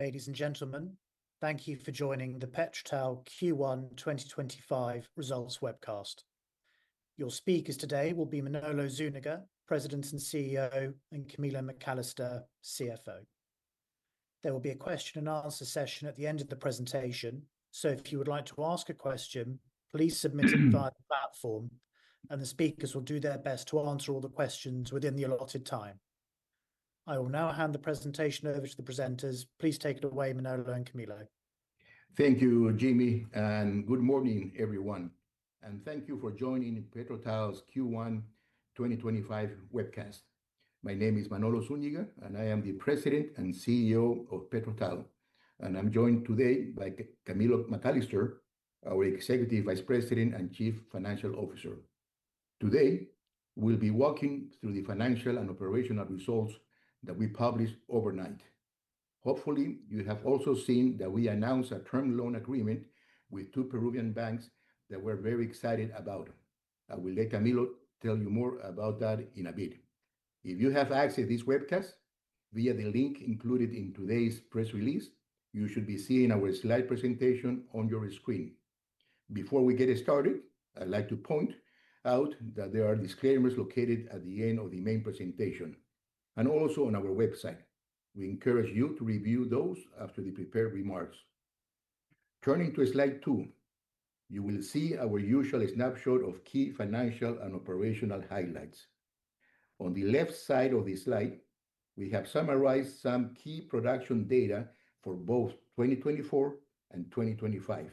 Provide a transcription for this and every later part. Ladies and gentlemen, thank you for joining the PetroTal Q1 2025 Results Webcast. Your speakers today will be Manolo Zúñiga, President and CEO, and Camilo McAllister, CFO. There will be a question-and-answer session at the end of the presentation, so if you would like to ask a question, please submit it via the platform, and the speakers will do their best to answer all the questions within the allotted time. I will now hand the presentation over to the presenters. Please take it away, Manolo and Camilo. Thank you, Jimmy, and good morning, everyone. Thank you for joining PetroTal's Q1 2025 webcast. My name is Manolo Zúñiga, and I am the President and CEO of PetroTal, and I'm joined today by Camilo McAllister, our Executive Vice President and Chief Financial Officer. Today, we'll be walking through the financial and operational results that we published overnight. Hopefully, you have also seen that we announced a term loan agreement with two Peruvian banks that we're very excited about. I will let Camilo tell you more about that in a bit. If you have access to this webcast via the link included in today's press release, you should be seeing our slide presentation on your screen. Before we get started, I'd like to point out that there are disclaimers located at the end of the main presentation and also on our website. We encourage you to review those after the prepared remarks. Turning to slide two, you will see our usual snapshot of key financial and operational highlights. On the left side of the slide, we have summarized some key production data for both 2024 and 2025.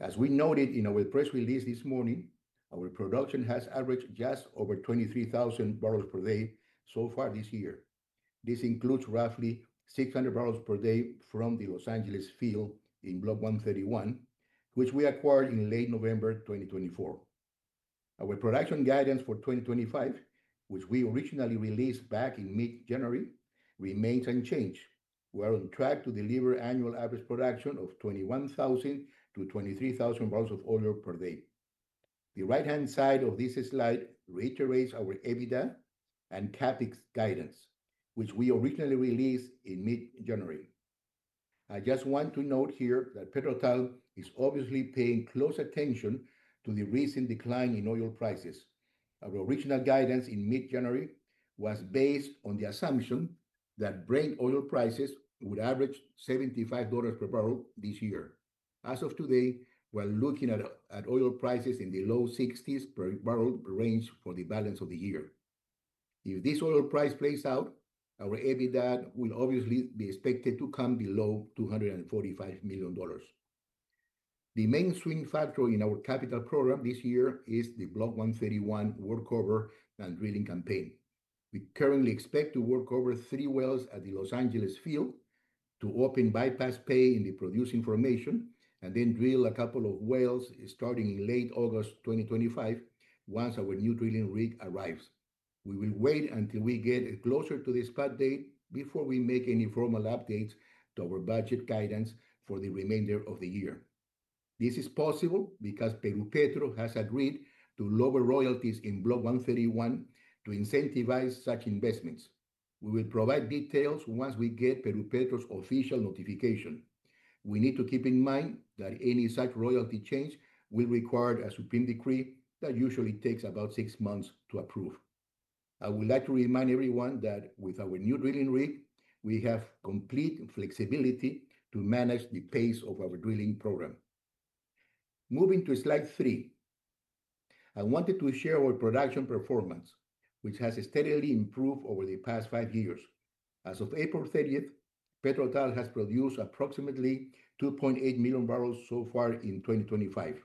As we noted in our press release this morning, our production has averaged just over 23,000 barrels per day so far this year. This includes roughly 600 barrels per day from the Los Angeles field in Block 131, which we acquired in late November 2024. Our production guidance for 2025, which we originally released back in mid-January, remains unchanged. We are on track to deliver annual average production of 21,000-23,000 barrels of oil per day. The right-hand side of this slide reiterates our EBITDA and CAPEX guidance, which we originally released in mid-January. I just want to note here that PetroTal is obviously paying close attention to the recent decline in oil prices. Our original guidance in mid-January was based on the assumption that Brent oil prices would average $75 per barrel this year. As of today, we're looking at oil prices in the low $60s per barrel range for the balance of the year. If this oil price plays out, our EBITDA will obviously be expected to come below $245 million. The main swing factor in our capital program this year is the Block 131 workover and drilling campaign. We currently expect to work over three wells at the Los Angeles field to open bypass pay in the producing formation and then drill a couple of wells starting in late August 2025 once our new drilling rig arrives. We will wait until we get closer to the spot date before we make any formal updates to our budget guidance for the remainder of the year. This is possible because PeruPetro has agreed to lower royalties in Block 131 to incentivize such investments. We will provide details once we get PeruPetro's official notification. We need to keep in mind that any such royalty change will require a Supreme decree that usually takes about six months to approve. I would like to remind everyone that with our new drilling rig, we have complete flexibility to manage the pace of our drilling program. Moving to slide three, I wanted to share our production performance, which has steadily improved over the past five years. As of April 30, PetroTal has produced approximately 2.8 million barrels so far in 2025.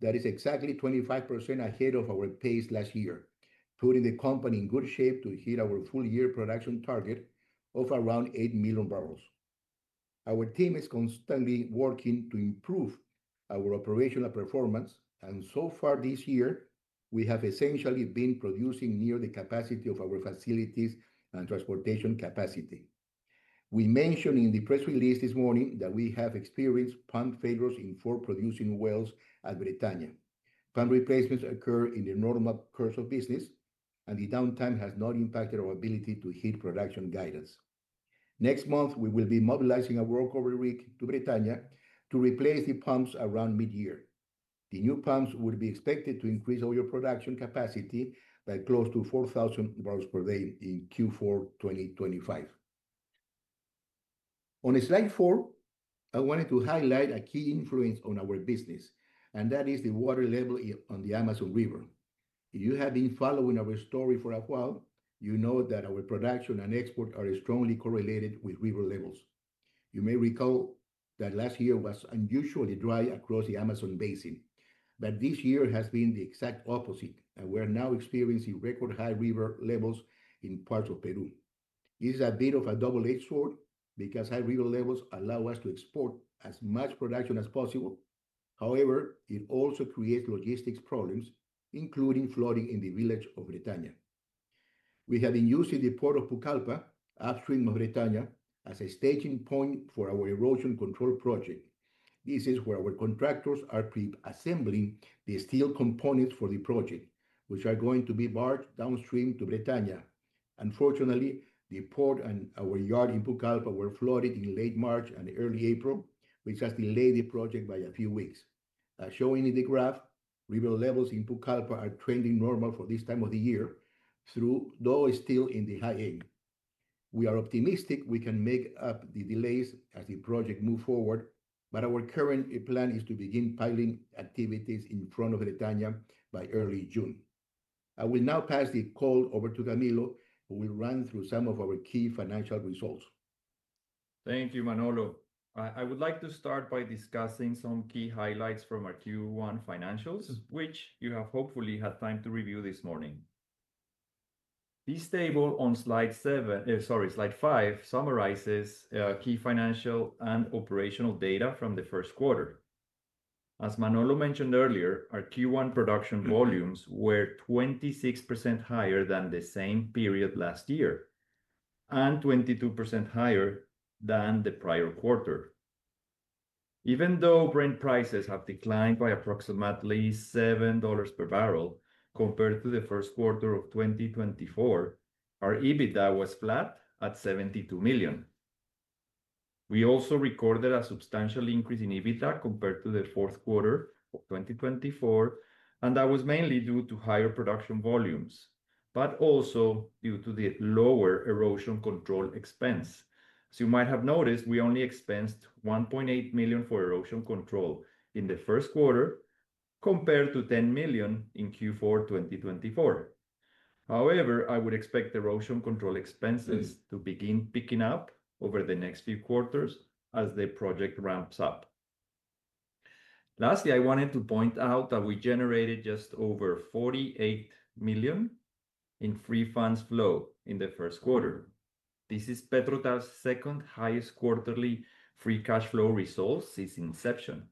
That is exactly 25% ahead of our pace last year, putting the company in good shape to hit our full-year production target of around 8 million barrels. Our team is constantly working to improve our operational performance, and so far this year, we have essentially been producing near the capacity of our facilities and transportation capacity. We mentioned in the press release this morning that we have experienced pump failures in four producing wells at Britannia. Pump replacements occur in the normal course of business, and the downtime has not impacted our ability to hit production guidance. Next month, we will be mobilizing our workover rig to Britannia to replace the pumps around mid-year. The new pumps would be expected to increase oil production capacity by close to 4,000 barrels per day in Q4 2025. On slide four, I wanted to highlight a key influence on our business, and that is the water level on the Amazon River. If you have been following our story for a while, you know that our production and export are strongly correlated with river levels. You may recall that last year was unusually dry across the Amazon Basin, but this year has been the exact opposite, and we are now experiencing record-high river levels in parts of Peru. This is a bit of a double-edged sword because high river levels allow us to export as much production as possible. However, it also creates logistics problems, including flooding in the village of Britannia. We have been using the port of Pucallpa upstream of Britannia as a staging point for our erosion control project. This is where our contractors are pre-assembling the steel components for the project, which are going to be barged downstream to Britannia. Unfortunately, the port and our yard in Pucallpa were flooded in late March and early April, which has delayed the project by a few weeks. As shown in the graph, river levels in Pucallpa are trending normal for this time of the year, though still in the high end. We are optimistic we can make up the delays as the project moves forward, but our current plan is to begin piling activities in front of Britannia by early June. I will now pass the call over to Camilo, who will run through some of our key financial results. Thank you, Manolo. I would like to start by discussing some key highlights from our Q1 financials, which you have hopefully had time to review this morning. This table on slide seven—sorry, slide five—summarizes key financial and operational data from the first quarter. As Manolo mentioned earlier, our Q1 production volumes were 26% higher than the same period last year and 22% higher than the prior quarter. Even though Brent oil prices have declined by approximately $7 per barrel compared to the first quarter of 2024, our EBITDA was flat at $72 million. We also recorded a substantial increase in EBITDA compared to the fourth quarter of 2024, and that was mainly due to higher production volumes, but also due to the lower erosion control expense. As you might have noticed, we only expensed $1.8 million for erosion control in the first quarter compared to $10 million in Q4 2024. However, I would expect erosion control expenses to begin picking up over the next few quarters as the project ramps up. Lastly, I wanted to point out that we generated just over $48 million in free funds flow in the first quarter. This is PetroTal's second highest quarterly free cash flow results since inception,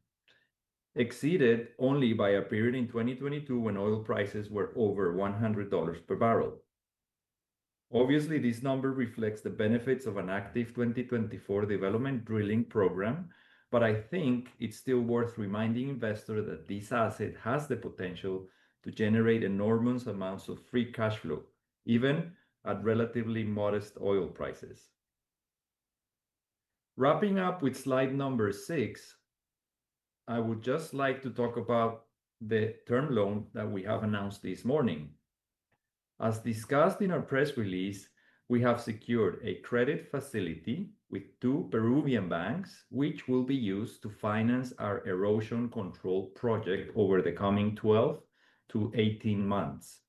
exceeded only by a period in 2022 when oil prices were over $100 per barrel. Obviously, this number reflects the benefits of an active 2024 development drilling program, but I think it's still worth reminding investors that this asset has the potential to generate enormous amounts of free cash flow, even at relatively modest oil prices. Wrapping up with slide number six, I would just like to talk about the term loan that we have announced this morning. As discussed in our press release, we have secured a credit facility with two Peruvian banks, which will be used to finance our erosion control project over the coming 12 to 18 months.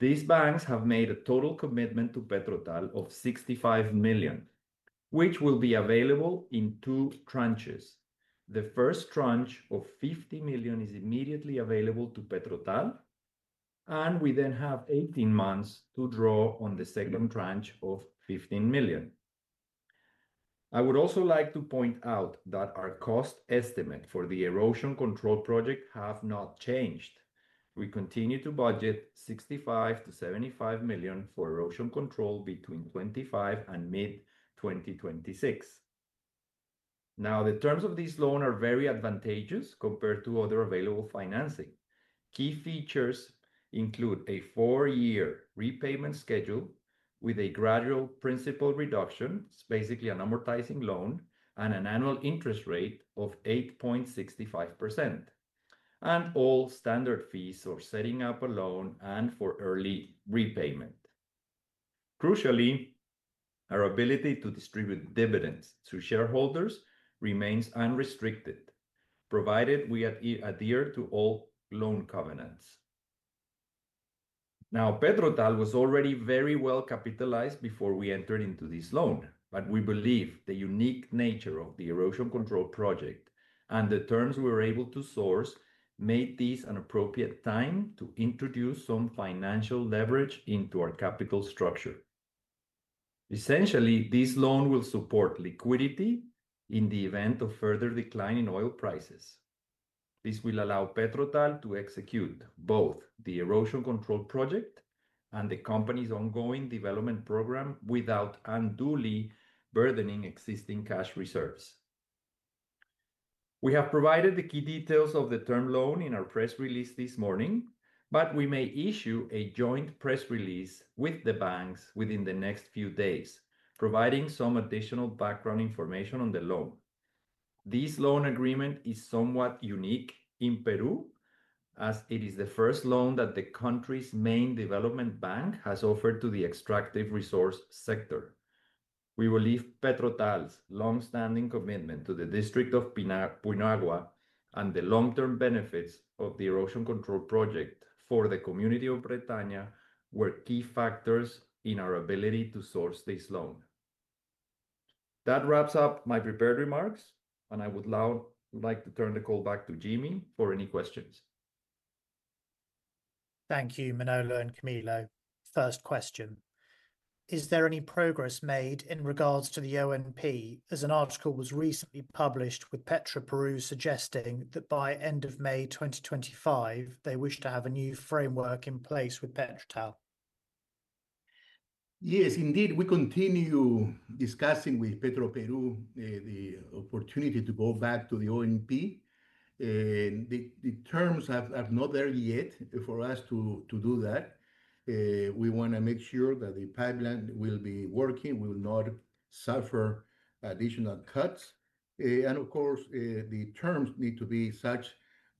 These banks have made a total commitment to PetroTal of $65 million, which will be available in two tranches. The first tranche of $50 million is immediately available to PetroTal, and we then have 18 months to draw on the second tranche of $15 million. I would also like to point out that our cost estimate for the erosion control project has not changed. We continue to budget $65-$75 million for erosion control between 2025 and mid-2026. Now, the terms of this loan are very advantageous compared to other available financing. Key features include a four-year repayment schedule with a gradual principal reduction, basically an amortizing loan, and an annual interest rate of 8.65%, and all standard fees for setting up a loan and for early repayment. Crucially, our ability to distribute dividends to shareholders remains unrestricted, provided we adhere to all loan covenants. Now, PetroTal was already very well capitalized before we entered into this loan, but we believe the unique nature of the erosion control project and the terms we were able to source made this an appropriate time to introduce some financial leverage into our capital structure. Essentially, this loan will support liquidity in the event of further decline in oil prices. This will allow PetroTal to execute both the erosion control project and the company's ongoing development program without unduly burdening existing cash reserves. We have provided the key details of the term loan in our press release this morning, but we may issue a joint press release with the banks within the next few days, providing some additional background information on the loan. This loan agreement is somewhat unique in Peru, as it is the first loan that the country's main development bank has offered to the extractive resource sector. We believe PetroTal's long-standing commitment to the District of Punoagua and the long-term benefits of the erosion control project for the community of Britannia were key factors in our ability to source this loan. That wraps up my prepared remarks, and I would now like to turn the call back to Jimmy for any questions. Thank you, Manolo and Camilo. First question. Is there any progress made in regards to the ONP as an article was recently published with PetroPeru suggesting that by end of May 2025, they wish to have a new framework in place with PetroTal? Yes, indeed. We continue discussing with PetroPeru the opportunity to go back to the ONP, and the terms are not there yet for us to do that. We want to make sure that the pipeline will be working, will not suffer additional cuts, and of course, the terms need to be such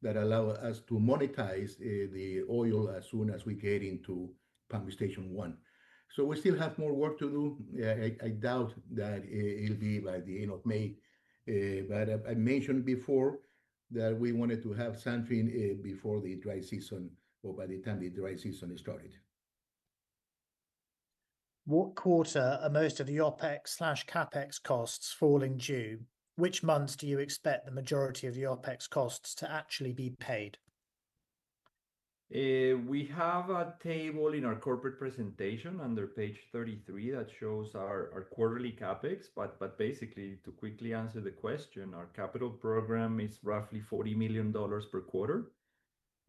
that allow us to monetize the oil as soon as we get into pump station one. We still have more work to do. I doubt that it'll be by the end of May, but I mentioned before that we wanted to have something before the dry season or by the time the dry season started. What quarter are most of the OPEX/CAPEX costs falling due? Which months do you expect the majority of the OPEX costs to actually be paid? We have a table in our corporate presentation under page 33 that shows our quarterly CAPEX, but basically, to quickly answer the question, our capital program is roughly $40 million per quarter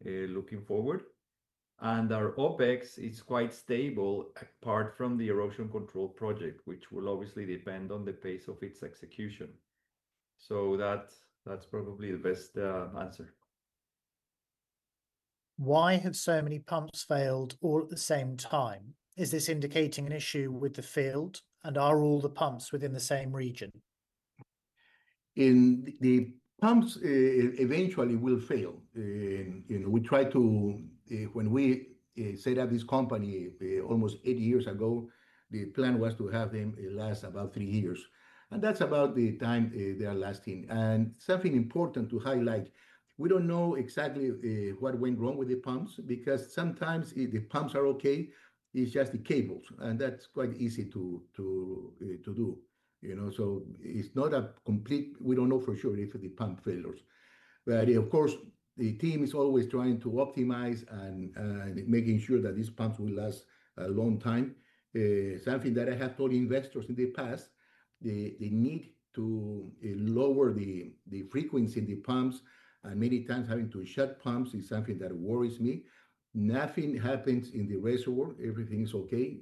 looking forward, and our OPEX is quite stable apart from the erosion control project, which will obviously depend on the pace of its execution. That is probably the best answer. Why have so many pumps failed all at the same time? Is this indicating an issue with the field, and are all the pumps within the same region? The pumps eventually will fail. We try to, when we set up this company almost 80 years ago, the plan was to have them last about three years, and that's about the time they are lasting. Something important to highlight, we don't know exactly what went wrong with the pumps because sometimes the pumps are okay, it's just the cables, and that's quite easy to do. It's not a complete, we don't know for sure if the pump failures, but of course, the team is always trying to optimize and making sure that these pumps will last a long time. Something that I have told investors in the past, they need to lower the frequency in the pumps, and many times having to shut pumps is something that worries me. Nothing happens in the reservoir. Everything is okay.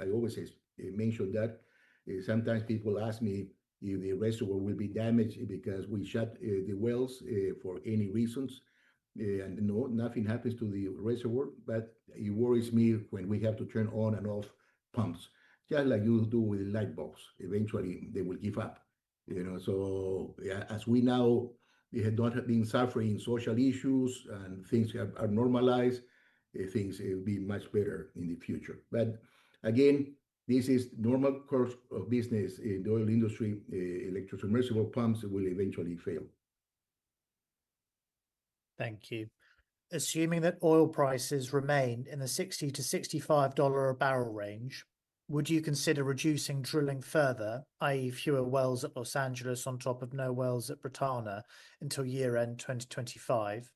I always mention that. Sometimes people ask me if the reservoir will be damaged because we shut the wells for any reasons. No, nothing happens to the reservoir, but it worries me when we have to turn on and off pumps, just like you do with the light bulbs. Eventually, they will give up. As we now do not have been suffering social issues and things have normalized, things will be much better in the future. This is normal course of business in the oil industry. Electric submersible pumps will eventually fail. Thank you. Assuming that oil prices remain in the $60-$65 a barrel range, would you consider reducing drilling further, i.e., fewer wells at Los Angeles on top of no wells at Britannia until year-end 2025?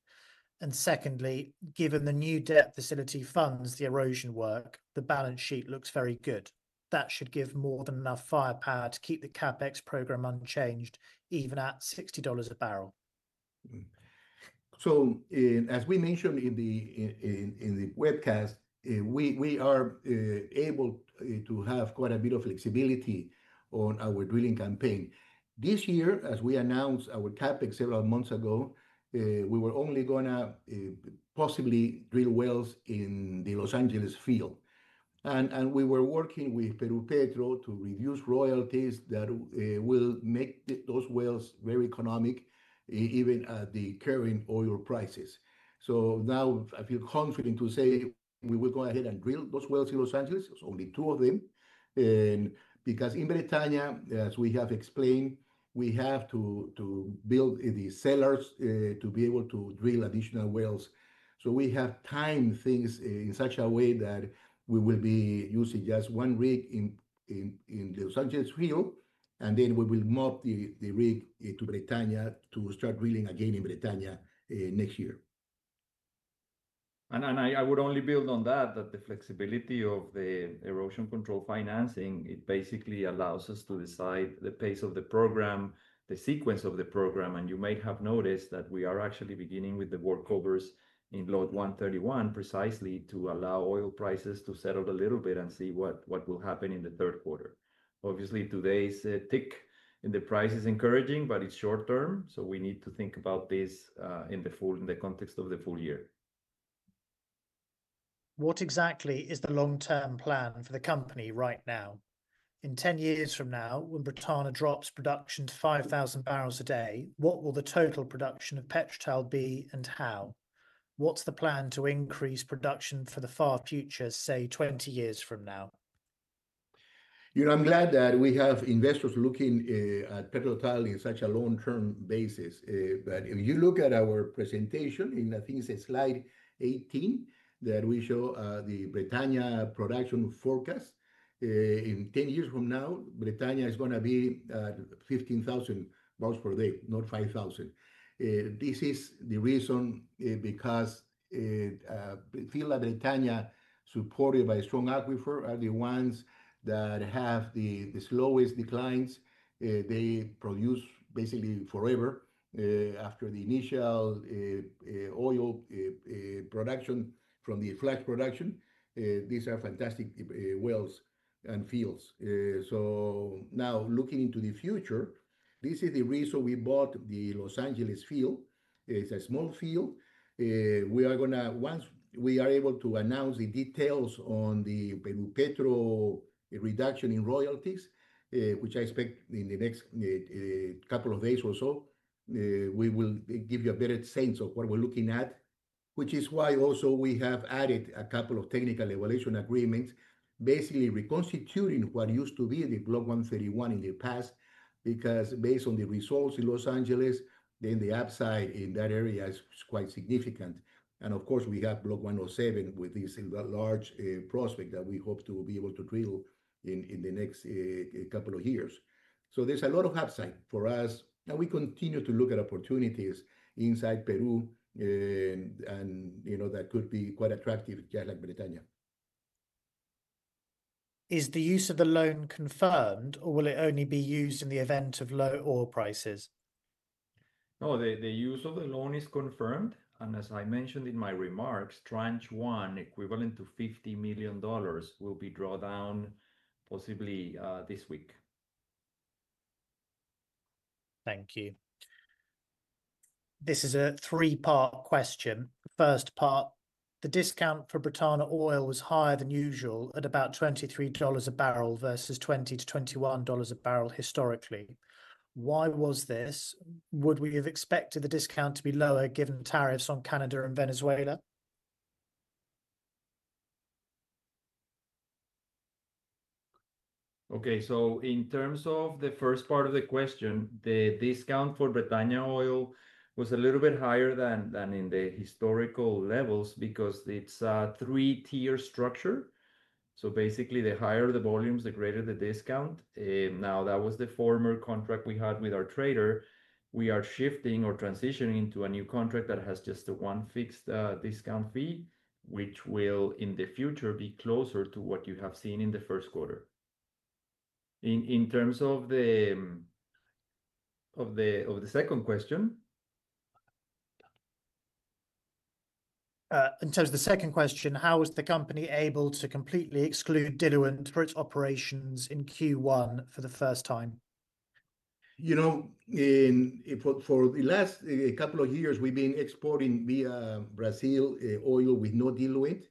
Secondly, given the new term loan facility funds the erosion work, the balance sheet looks very good. That should give more than enough firepower to keep the CAPEX program unchanged even at $60 a barrel. As we mentioned in the webcast, we are able to have quite a bit of flexibility on our drilling campaign. This year, as we announced our CAPEX several months ago, we were only going to possibly drill wells in the Los Angeles field. We were working with PeruPetro to reduce royalties that will make those wells very economic even at the current oil prices. Now I feel confident to say we will go ahead and drill those wells in Los Angeles. There are only two of them. In Britannia, as we have explained, we have to build the cellars to be able to drill additional wells. We have timed things in such a way that we will be using just one rig in the Los Angeles field, and then we will move the rig to Britannia to start drilling again in Britannia next year. I would only build on that, that the flexibility of the erosion control financing, it basically allows us to decide the pace of the program, the sequence of the program. You may have noticed that we are actually beginning with the workovers in Block 131 precisely to allow oil prices to settle a little bit and see what will happen in the third quarter. Obviously, today's tick in the price is encouraging, but it's short term, so we need to think about this in the context of the full year. What exactly is the long-term plan for the company right now? In 10 years from now, when Britannia drops production to 5,000 barrels a day, what will the total production of PetroTal be and how? What's the plan to increase production for the far future, say, 20 years from now? You know, I'm glad that we have investors looking at PetroTal in such a long-term basis. If you look at our presentation, I think it's slide 18 that we show the Britannia production forecast, in 10 years from now, Britannia is going to be at 15,000 barrels per day, not 5,000. This is the reason because the field of Britannia, supported by strong aquifer, are the ones that have the slowest declines. They produce basically forever after the initial oil production from the flash production. These are fantastic wells and fields. Now looking into the future, this is the reason we bought the Los Angeles field. It's a small field. We are going to, once we are able to announce the details on the PeruPetro reduction in royalties, which I expect in the next couple of days or so, we will give you a better sense of what we're looking at, which is why also we have added a couple of technical evaluation agreements, basically reconstituting what used to be the Block 131 in the past, because based on the results in Los Angeles, then the upside in that area is quite significant. Of course, we have Block 107 with this large prospect that we hope to be able to drill in the next couple of years. There is a lot of upside for us, and we continue to look at opportunities inside Peru, and that could be quite attractive, just like Britannia. Is the use of the loan confirmed, or will it only be used in the event of low oil prices? No, the use of the loan is confirmed. As I mentioned in my remarks, tranche one equivalent to $50 million will be drawn down possibly this week. Thank you. This is a three-part question. First part, the discount for Britannia oil was higher than usual at about $23 a barrel versus $20-$21 a barrel historically. Why was this? Would we have expected the discount to be lower given tariffs on Canada and Venezuela? Okay, so in terms of the first part of the question, the discount for Britannia oil was a little bit higher than in the historical levels because it's a three-tier structure. Basically, the higher the volumes, the greater the discount. That was the former contract we had with our trader. We are shifting or transitioning into a new contract that has just the one fixed discount fee, which will in the future be closer to what you have seen in the first quarter. In terms of the second question. In terms of the second question, how was the company able to completely exclude diluent for its operations in Q1 for the first time? You know, for the last couple of years, we've been exporting via Brazil oil with no diluent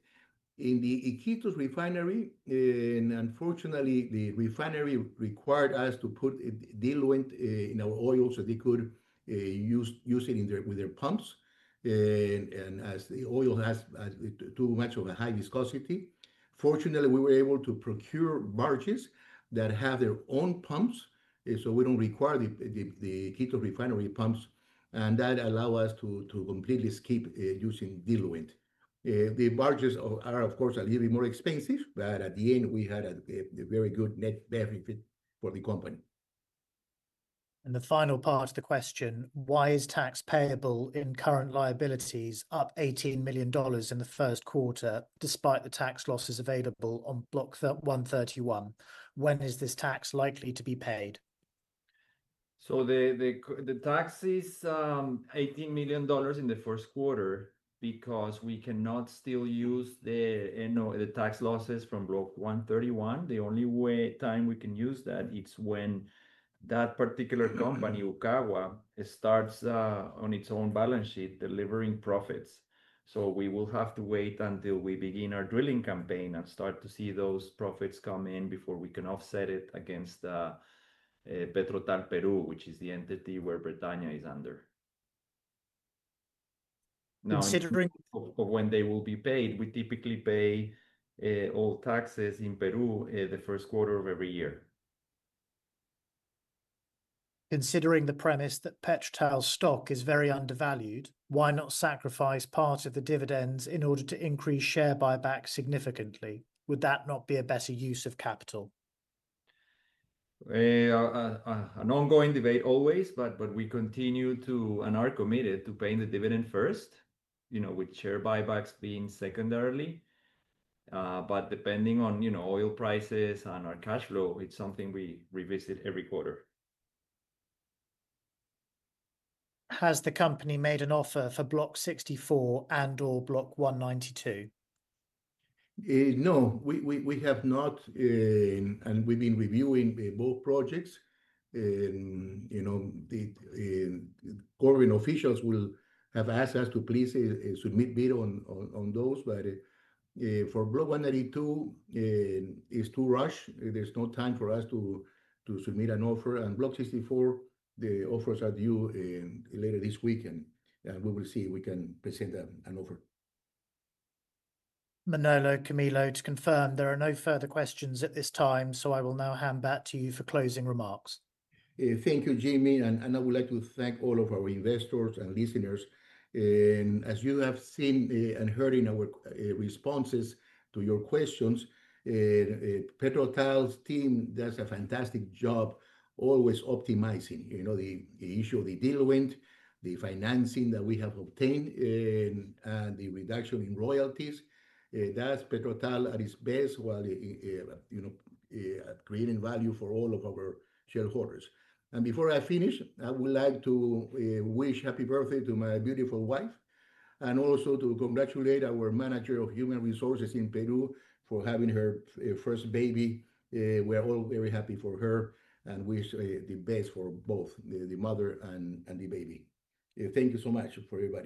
in the Iquitos refinery. Unfortunately, the refinery required us to put diluent in our oil so they could use it with their pumps. As the oil has too much of a high viscosity, fortunately, we were able to procure barges that have their own pumps, so we don't require the Iquitos refinery pumps, and that allows us to completely skip using diluent. The barges are, of course, a little bit more expensive, but at the end, we had a very good net benefit for the company. The final part of the question, why is tax payable in current liabilities up $18 million in the first quarter despite the tax losses available on Block 131? When is this tax likely to be paid? The tax is $18 million in the first quarter because we cannot still use the tax losses from Block 131. The only time we can use that is when that particular company, Ocawa, starts on its own balance sheet delivering profits. We will have to wait until we begin our drilling campaign and start to see those profits come in before we can offset it against PetroTal Peru, which is the entity where Britannia is under. Considering. Now, when they will be paid, we typically pay all taxes in Peru the first quarter of every year. Considering the premise that PetroTal's stock is very undervalued, why not sacrifice part of the dividends in order to increase share buyback significantly? Would that not be a better use of capital? An ongoing debate always, but we continue to and are committed to paying the dividend first, with share buybacks being secondarily. But depending on oil prices and our cash flow, it's something we revisit every quarter. Has the company made an offer for Block 64 and/or Block 192? No, we have not, and we've been reviewing both projects. Government officials have asked us to please submit bid on those, but for Block 192, it's too rushed. There's no time for us to submit an offer. And Block 64, the offers are due later this weekend, and we will see if we can present an offer. Manolo, Camilo, to confirm, there are no further questions at this time, so I will now hand back to you for closing remarks. Thank you, Jimmy, and I would like to thank all of our investors and listeners. As you have seen and heard in our responses to your questions, PetroTal's team does a fantastic job always optimizing the issue of the diluent, the financing that we have obtained, and the reduction in royalties. That is PetroTal at its best while creating value for all of our shareholders. Before I finish, I would like to wish happy birthday to my beautiful wife, and also to congratulate our manager of human resources in Peru for having her first baby. We are all very happy for her and wish the best for both the mother and the baby. Thank you so much for everybody.